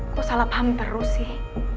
kok salah paham terus sih